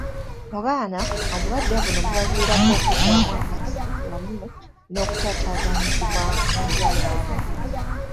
Mu baana, obulwadde buno bubaviirako okuggwaamu amazzi wamu n'okutaataganyizibwa mu ndya yaabwe